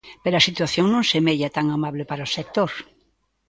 Pero a situación non semella tan amable para o sector.